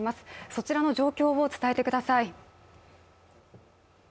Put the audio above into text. そちらの状況を伝えてください。